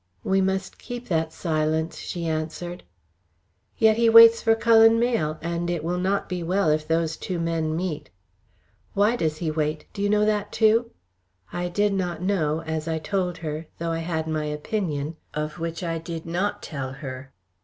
"We must keep that silence," she answered. "Yet he waits for Cullen Mayle, and it will not be well if those two men meet." "Why does he wait? Do you know that, too?" I did not know, as I told her, though I had my opinion, of which I did not tell her.